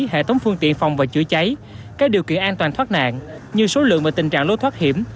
hệ thống phương tiện phòng và chữa cháy các điều kiện an toàn thoát nạn như số lượng và tình trạng lối thoát hiểm